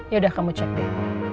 yaudah kamu cek deh